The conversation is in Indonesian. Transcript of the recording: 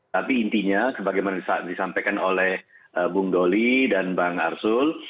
tapi intinya sebagaimana disampaikan oleh bung doli dan bang arsul